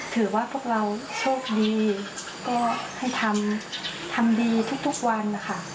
ถือว่าพวกเราโชคดีก็ให้ทำดีทุกวันนะคะ